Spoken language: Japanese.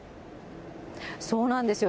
そうなんですよ。